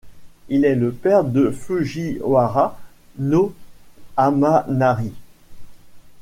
Il est le père de Fujiwara no Hamanari.